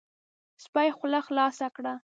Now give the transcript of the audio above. سپي خوله خلاصه کړه،